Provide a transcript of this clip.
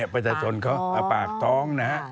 ประชาชนเขาปากท้องนะฮะ